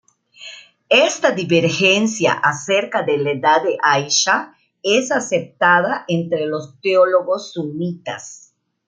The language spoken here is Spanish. Esta divergencia acerca de la edad de Aisha es aceptada entre los teólogos sunitas.